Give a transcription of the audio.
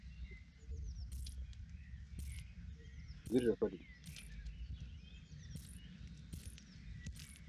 Mugwort amongst other herbs was often bound into smudge sticks.